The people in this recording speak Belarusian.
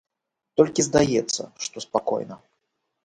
Толькі здаецца, што спакойна.